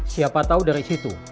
siapa tahu dari situ